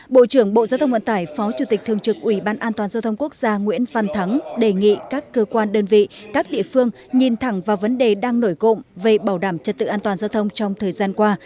bộ trưởng bộ giao thông vận tải phó chủ tịch thường trực ủy ban an toàn giao thông quốc gia nguyễn văn thắng đề nghị các cơ quan đơn vị các địa phương nhìn thẳng vào vấn đề đang nổi cộng về bảo đảm trật tự an toàn giao thông trong thời gian qua